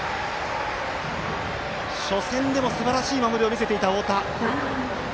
初戦でも、すばらしい守りを見せていた太田。